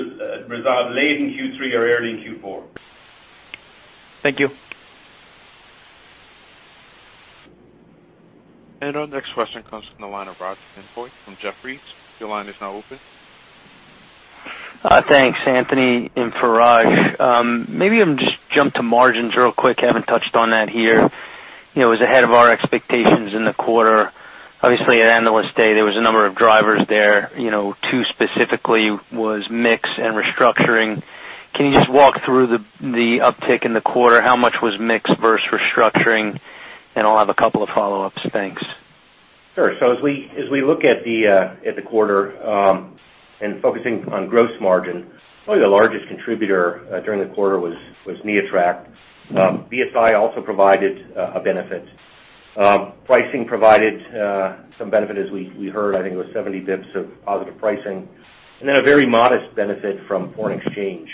resolved late in Q3 or early in Q4. Thank you. Our next question comes from the line of Raj Denhoy from Jefferies. Your line is now open. Thanks, Anthony on for Raj. Maybe I'll just jump to margins real quick. Haven't touched on that here. It was ahead of our expectations in the quarter. Obviously, at Analyst Day, there was a number of drivers there. Two specifically was mix and restructuring. Can you just walk through the uptick in the quarter? How much was mix versus restructuring? I'll have a couple of follow-ups. Thanks. Sure. As we look at the quarter, and focusing on gross margin, probably the largest contributor during the quarter was NeoTract. VSI also provided a benefit. Pricing provided some benefit, as we heard, I think it was 70 basis points of positive pricing, and then a very modest benefit from foreign exchange.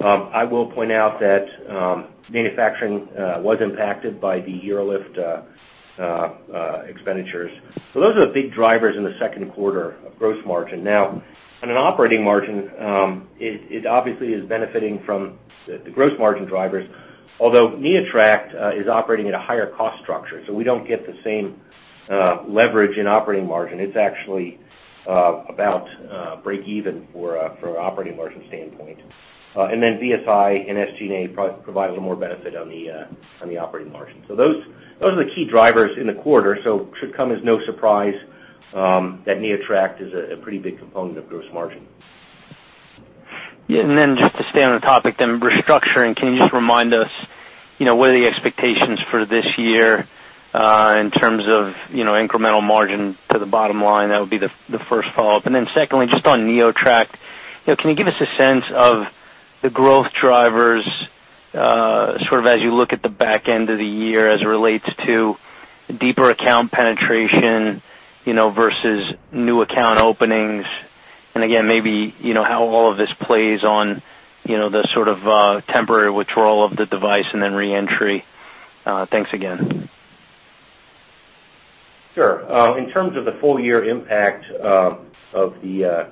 I will point out that manufacturing was impacted by the UroLift expenditures. Those are the big drivers in the second quarter of gross margin. On an operating margin, it obviously is benefiting from the gross margin drivers, although NeoTract is operating at a higher cost structure, so we don't get the same leverage in operating margin. It's actually about breakeven for an operating margin standpoint. VSI and SG&A provide a little more benefit on the operating margin. Those are the key drivers in the quarter. Should come as no surprise that NeoTract is a pretty big component of gross margin. Yeah. Just to stay on the topic then, restructuring, can you just remind us what are the expectations for this year in terms of incremental margin to the bottom line? That would be the first follow-up. Secondly, just on NeoTract, can you give us a sense of the growth drivers sort of as you look at the back end of the year as it relates to deeper account penetration versus new account openings? Again, maybe how all of this plays on the sort of temporary withdrawal of the device and then re-entry. Thanks again. Sure. In terms of the full-year impact of the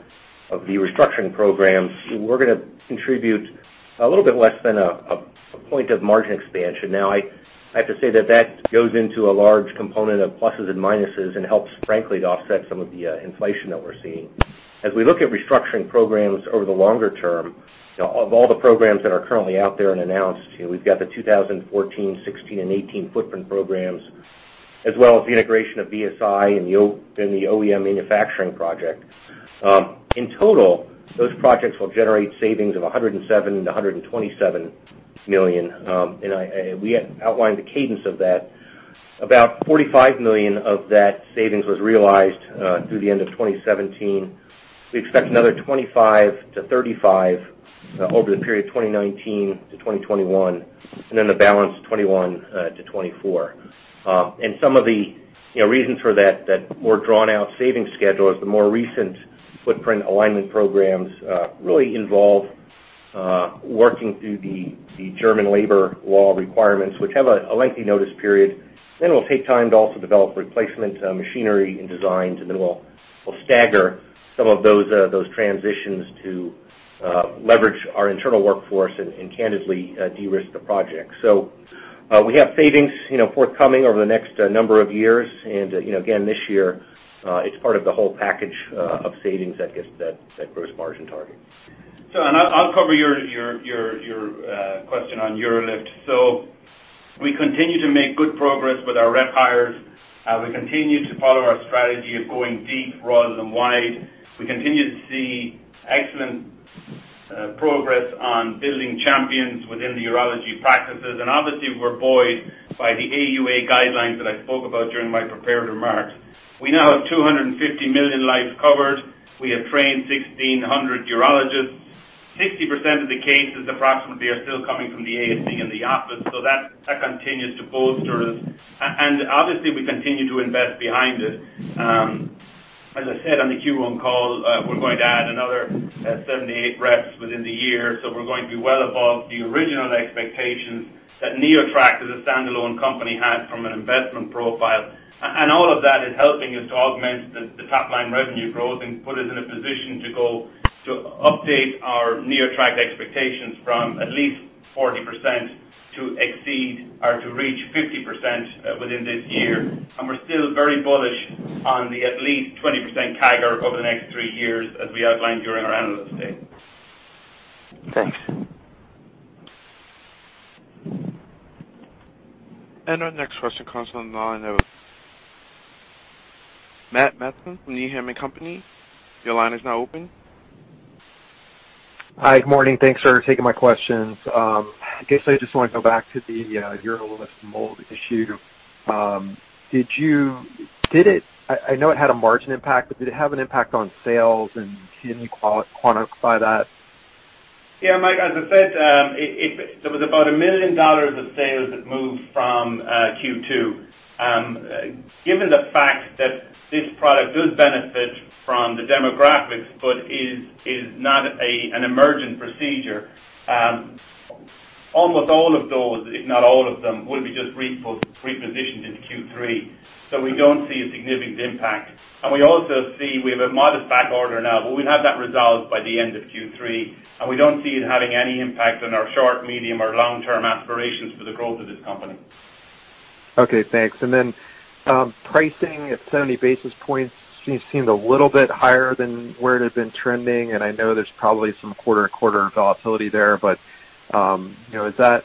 restructuring programs, we're going to contribute a little bit less than a point of margin expansion. I have to say that that goes into a large component of pluses and minuses and helps, frankly, to offset some of the inflation that we're seeing. As we look at restructuring programs over the longer term, of all the programs that are currently out there and announced, we've got the 2014, 2016, and 2018 footprint programs, as well as the integration of VSI and the OEM manufacturing project. In total, those projects will generate savings of $107 million-$127 million. We outlined the cadence of that. About $45 million of that savings was realized through the end of 2017. We expect another $25 million-$35 million over the period of 2019 to 2021, and then the balance 2021 to 2024. Some of the reasons for that more drawn-out saving schedule is the more recent footprint alignment programs really involve working through the German labor law requirements, which have a lengthy notice period. We'll take time to also develop replacement machinery and designs, and then we'll stagger some of those transitions to leverage our internal workforce and candidly de-risk the project. We have savings forthcoming over the next number of years. Again, this year it's part of the whole package of savings that gets that gross margin target. I'll cover your question on UroLift. We continue to make good progress with our rep hires. We continue to follow our strategy of going deep rather than wide. We continue to see excellent progress on building champions within the urology practices. Obviously, we're buoyed by the AUA guidelines that I spoke about during my prepared remarks. We now have 250 million lives covered. We have trained 1,600 urologists. 60% of the cases, approximately, are still coming from the ASC and the office, so that continues to bolster us. Obviously, we continue to invest behind it. As I said on the Q1 call, we're going to add another 78 reps within the year. We're going to be well above the original expectations that NeoTract as a standalone company had from an investment profile. All of that is helping us to augment the top-line revenue growth and put us in a position to go to update our NeoTract expectations from at least 40%-50% within this year. We're still very bullish on the at least 20% CAGR over the next three years, as we outlined during our analyst day. Thanks. Our next question comes on the line of Michael Matson from Needham & Company. Your line is now open. Hi. Good morning. Thanks for taking my questions. I just want to go back to the UroLift mold issue. I know it had a margin impact, did it have an impact on sales, and can you quantify that? Yeah, Matt, as I said, there was about $1 million of sales that moved from Q2. Given the fact that this product does benefit from the demographics but is not an emergent procedure, almost all of those, if not all of them, will be just repositioned into Q3. We don't see a significant impact. We also see we have a modest back order now, we'll have that resolved by the end of Q3, we don't see it having any impact on our short, medium, or long-term aspirations for the growth of this company. Okay, thanks. Then pricing at 70 basis points seemed a little bit higher than where it had been trending, I know there's probably some quarter-to-quarter volatility there, is that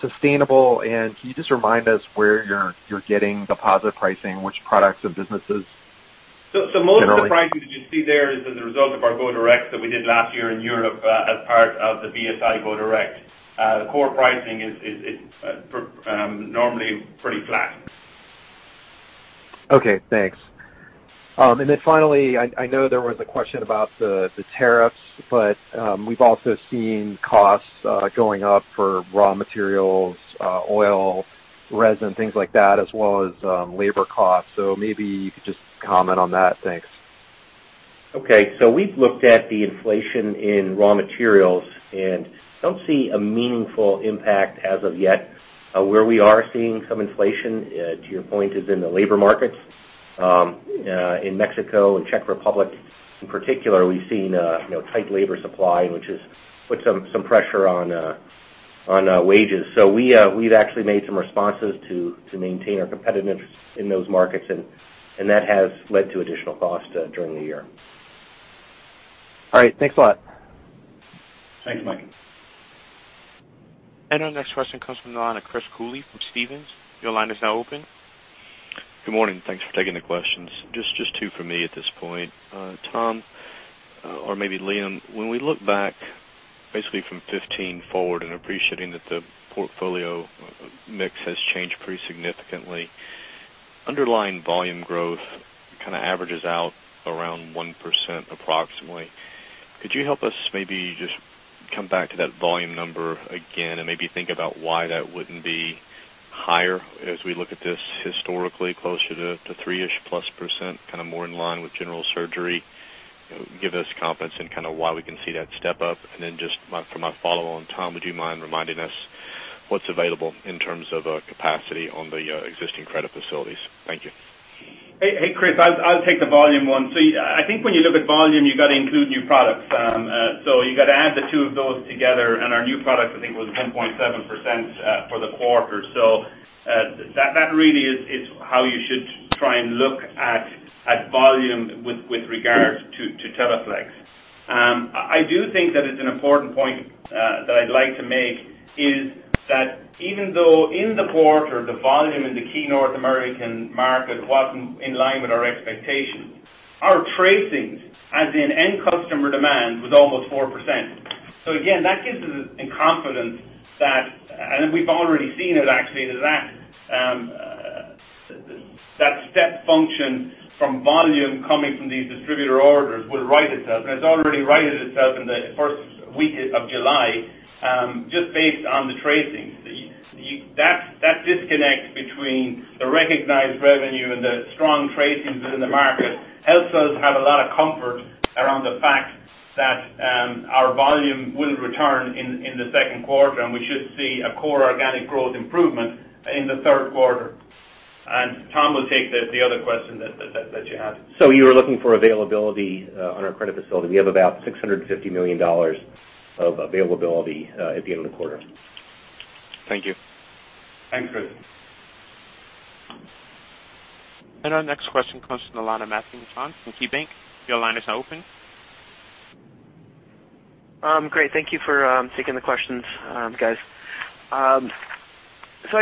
sustainable? Can you just remind us where you're getting the positive pricing, which products and businesses generally? Most of the pricing that you see there is as a result of our go-direct that we did last year in Europe as part of the VSI go-direct. The core pricing is normally pretty flat. Okay, thanks. Finally, I know there was a question about the tariffs, but we've also seen costs going up for raw materials, oil, resin, things like that, as well as labor costs. Maybe you could just comment on that. Thanks. Okay. We've looked at the inflation in raw materials and don't see a meaningful impact as of yet. Where we are seeing some inflation, to your point, is in the labor markets. In Mexico and Czech Republic in particular, we've seen tight labor supply, which has put some pressure on wages. We've actually made some responses to maintain our competitiveness in those markets, and that has led to additional costs during the year. All right. Thanks a lot. Thank you, Mike. Our next question comes from the line of Chris Cooley from Stephens. Your line is now open. Good morning. Thanks for taking the questions. Just two from me at this point. Tom, or maybe Liam, when we look back basically from 2015 forward and appreciating that the portfolio mix has changed pretty significantly, underlying volume growth kind of averages out around 1% approximately. Could you help us maybe just come back to that volume number again and maybe think about why that wouldn't be higher as we look at this historically closer to three-ish plus %, kind of more in line with general surgery? Give us confidence in kind of why we can see that step up. Then just for my follow on, Tom, would you mind reminding us what's available in terms of capacity on the existing credit facilities? Thank you. Hey, Chris, I'll take the volume one. I think when you look at volume, you've got to include new products. You got to add the two of those together, and our new product, I think, was 10.7% for the quarter. That really is how you should try and look at volume with regard to Teleflex. I do think that it's an important point that I'd like to make is that even though in the quarter, the volume in the key North American market wasn't in line with our expectations, our tracings, as in end customer demand, was almost 4%. Again, that gives us the confidence that, and we've already seen it actually in the last, that step function from volume coming from these distributor orders will right itself, and it's already righted itself in the first week of July, just based on the tracings. That disconnect between the recognized revenue and the strong tracings within the market helps us have a lot of comfort around the fact that our volume will return in the second quarter, and we should see a core organic growth improvement in the third quarter. Tom will take the other question that you had. You were looking for availability on our credit facility. We have about $650 million of availability at the end of the quarter. Thank you. Thanks, Chris. Our next question comes from the line of Matthew Mishan from KeyBanc. Your line is now open. Great. Thank you for taking the questions, guys. I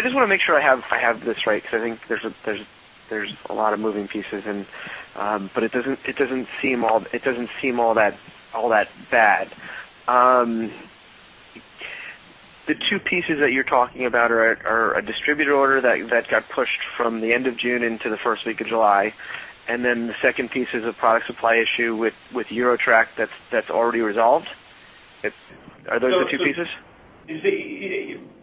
just want to make sure I have this right because I think there's a lot of moving pieces, but it doesn't seem all that bad. The two pieces that you're talking about are a distributor order that got pushed from the end of June into the first week of July, then the second piece is a product supply issue with NeoTract that's already resolved? Are those the two pieces?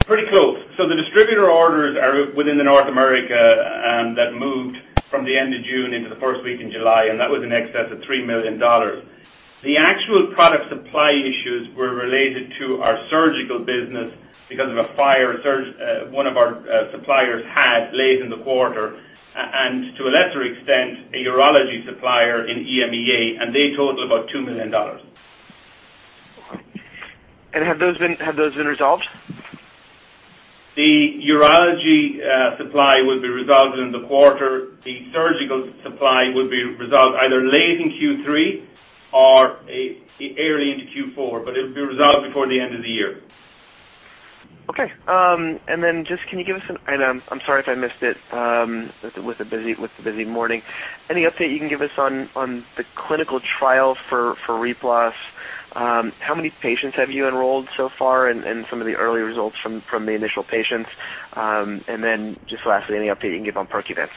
Pretty close. The distributor orders are within North America, and that moved from the end of June into the first week in July, and that was in excess of $3 million. The actual product supply issues were related to our surgical business because of a fire one of our suppliers had late in the quarter, and to a lesser extent, a urology supplier in EMEA, and they total about $2 million. Have those been resolved? The urology supply will be resolved in the quarter. The surgical supply will be resolved either late in Q3 or early into Q4, but it will be resolved before the end of the year. Okay. I'm sorry if I missed it with the busy morning. Any update you can give us on the clinical trial for RePlas? How many patients have you enrolled so far, and some of the early results from the initial patients? Lastly, any update you can give on Percuvance?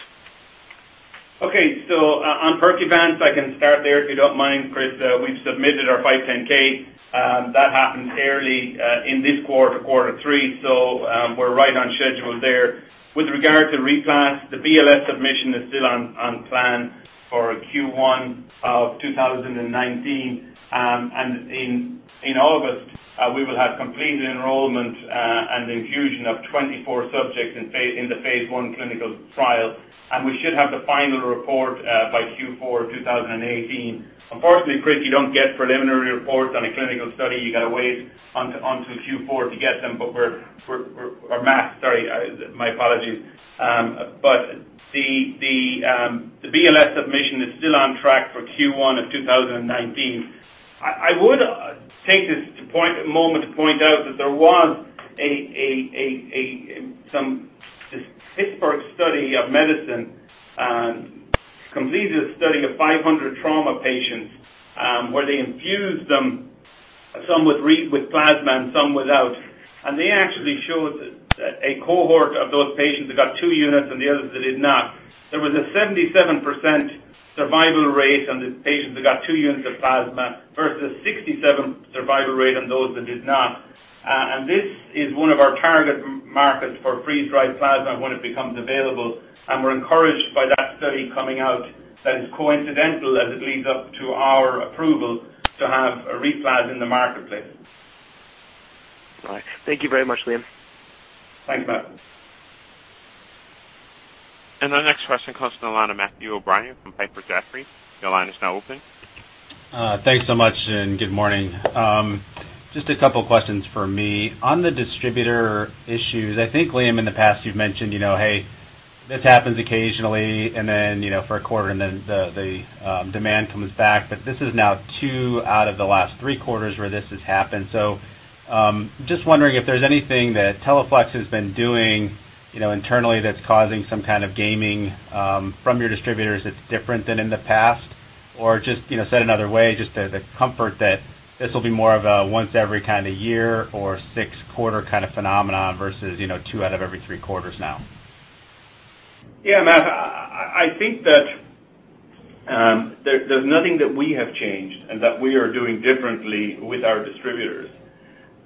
Okay. On Percuvance, I can start there if you don't mind, Chris. We've submitted our 510(k). That happens early in this quarter three. We're right on schedule there. With regard to RePlas, the BLA submission is still on plan for Q1 of 2019. In August, we will have completed enrollment and infusion of 24 subjects in the phase I clinical trial. We should have the final report by Q4 2018. Unfortunately, Chris, you don't get preliminary reports on a clinical study. You got to wait until Q4 to get them. Sorry, my apologies. The BLA submission is still on track for Q1 of 2019. I would take this moment to point out that there was some Pittsburgh study of medicine, completed a study of 500 trauma patients, where they infused them, some with plasma and some without. They actually showed that a cohort of those patients that got two units and the others that did not. There was a 77% survival rate on the patients that got two units of plasma versus 67% survival rate on those that did not. This is one of our target markets for freeze-dried plasma when it becomes available. We're encouraged by that study coming out that is coincidental as it leads up to our approval to have RePlas in the marketplace. All right. Thank you very much, Liam. Thanks, bud. Our next question comes from the line of Matthew O'Brien from Piper Jaffray. Your line is now open. Thanks so much. Good morning. Just a couple of questions from me. On the distributor issues, I think, Liam, in the past you've mentioned, "Hey, this happens occasionally," and then for a quarter, and then the demand comes back. This is now two out of the last three quarters where this has happened. Just wondering if there's anything that Teleflex has been doing internally that's causing some kind of gaming from your distributors that's different than in the past. Just said another way, just the comfort that this will be more of a once every kind of year or six quarter kind of phenomenon versus two out of every three quarters now. Yeah, Matt, I think that there's nothing that we have changed and that we are doing differently with our distributors.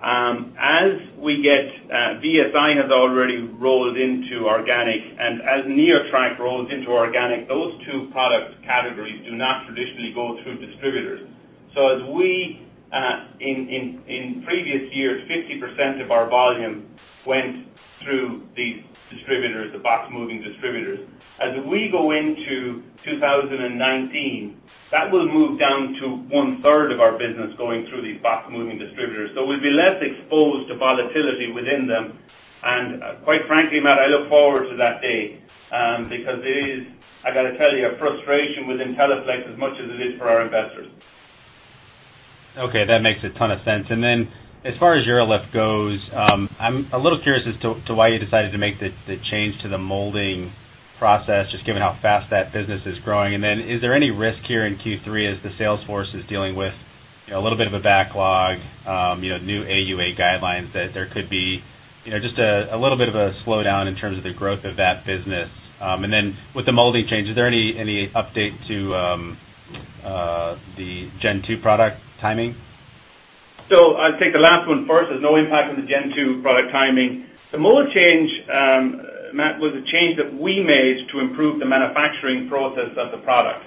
VSI has already rolled into organic, and as NeoTract rolls into organic, those two product categories do not traditionally go through distributors. As we, in previous years, 50% of our volume went through these distributors, the box-moving distributors. As we go into 2019, that will move down to one-third of our business going through these box-moving distributors. We'll be less exposed to volatility within them. Quite frankly, Matt, I look forward to that day because it is, I got to tell you, a frustration within Teleflex as much as it is for our investors. Okay, that makes a ton of sense. As far as UroLift goes, I'm a little curious as to why you decided to make the change to the molding process, just given how fast that business is growing. Is there any risk here in Q3 as the sales force is dealing with a little bit of a backlog, new AUA guidelines that there could be just a little bit of a slowdown in terms of the growth of that business. With the molding change, is there any update to the Gen 2 product timing? I'll take the last one first. There's no impact on the Gen 2 product timing. The mold change, Matt, was a change that we made to improve the manufacturing process of the product.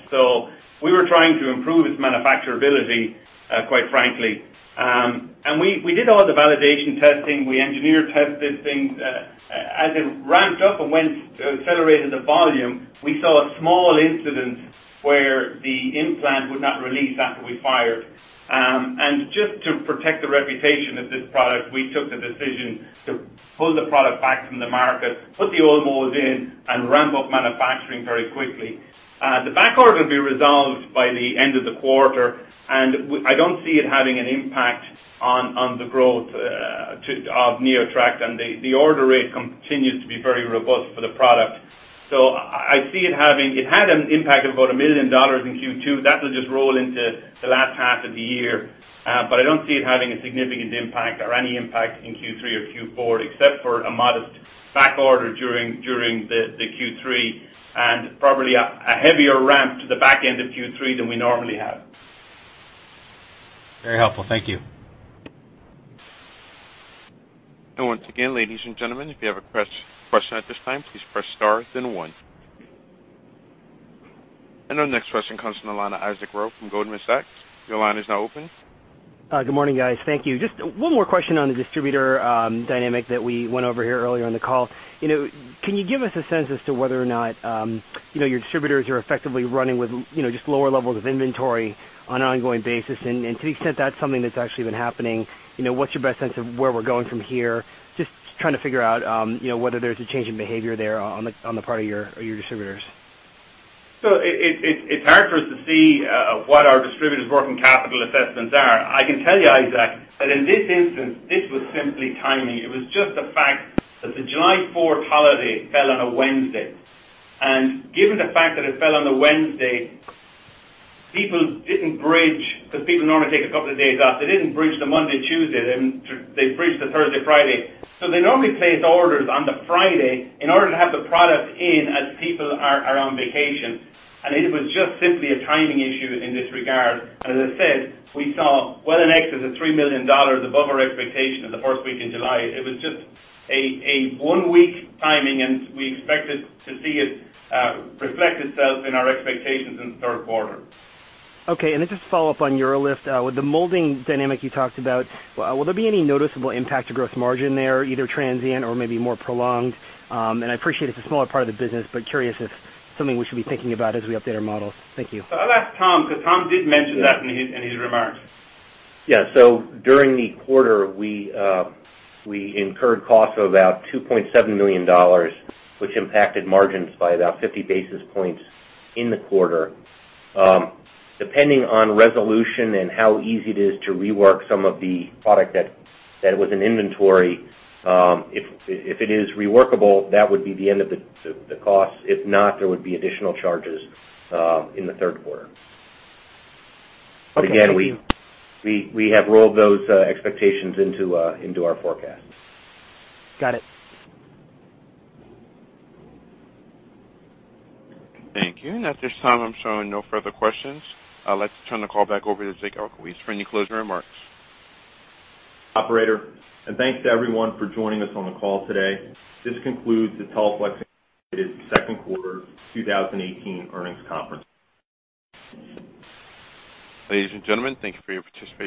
We were trying to improve its manufacturability, quite frankly. We did all the validation testing. We engineer tested things. As it ramped up and went to accelerated the volume, we saw a small incident where the implant would not release after we fired. Just to protect the reputation of this product, we took the decision to pull the product back from the market, put the old molds in, and ramp up manufacturing very quickly. The backorder will be resolved by the end of the quarter, and I don't see it having an impact on the growth of NeoTract. The order rate continues to be very robust for the product. I see it had an impact of about $1 million in Q2. That will just roll into the last half of the year. I don't see it having a significant impact or any impact in Q3 or Q4, except for a modest backorder during the Q3 and probably a heavier ramp to the back end of Q3 than we normally have. Very helpful. Thank you. Once again, ladies and gentlemen, if you have a press question at this time, please press star then one. Our next question comes from the line of Isaac Ro from Goldman Sachs. Your line is now open. Good morning, guys. Thank you. Just one more question on the distributor dynamic that we went over here earlier in the call. Can you give us a sense as to whether or not your distributors are effectively running with just lower levels of inventory on an ongoing basis? To the extent that's something that's actually been happening, what's your best sense of where we're going from here? Just trying to figure out whether there's a change in behavior there on the part of your distributors. It's hard for us to see what our distributors' working capital assessments are. I can tell you, Isaac, that in this instance, this was simply timing. It was just the fact that the July 4th holiday fell on a Wednesday, given the fact that it fell on a Wednesday, people didn't bridge, because people normally take a couple of days off. They didn't bridge the Monday, Tuesday. They bridged the Thursday, Friday. They normally place orders on the Friday in order to have the product in as people are on vacation, it was just simply a timing issue in this regard. As I said, we saw well in excess of $3 million above our expectation in the first week in July. It was just a one-week timing, we expected to see it reflect itself in our expectations in the third quarter. Okay. Then just to follow up on UroLift. With the molding dynamic you talked about, will there be any noticeable impact to gross margin there, either transient or maybe more prolonged? I appreciate it's a smaller part of the business, but curious if something we should be thinking about as we update our models. Thank you. I'll ask Tom, because Tom did mention that in his remarks. During the quarter, we incurred costs of about $2.7 million, which impacted margins by about 50 basis points in the quarter. Depending on resolution and how easy it is to rework some of the product that was in inventory. If it is reworkable, that would be the end of the cost. If not, there would be additional charges in the third quarter. Okay. Thank you. Again, we have rolled those expectations into our forecast. Got it. Thank you. At this time, I'm showing no further questions. I'd like to turn the call back over to Jake Elguicze for any closing remarks. Operator, thanks to everyone for joining us on the call today. This concludes the Teleflex Incorporated second quarter 2018 earnings conference. Ladies and gentlemen, thank you for your participation.